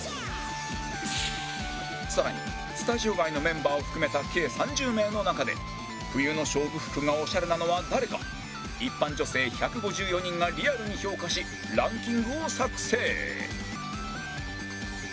更にスタジオ外のメンバーを含めた計３０名の中で冬の勝負服がオシャレなのは誰か一般女性１５４人がリアルに評価しランキングを作成